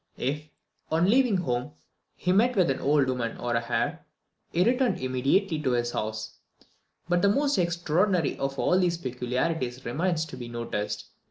If, on leaving home, he met with an old woman or a hare, he returned immediately to his house: But the most extraordinary of all his peculiarities remains to be noticed.